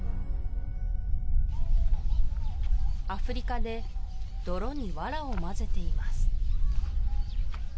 アフリカで泥にワラを混ぜています